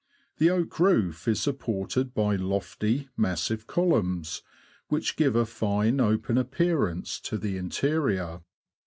The oak roof is supported by lofty, massive columns, which give a fine open appear ance to the interior.